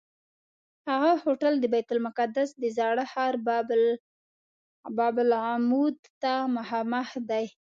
هغه هوټل د بیت المقدس د زاړه ښار باب العمود ته مخامخ دی.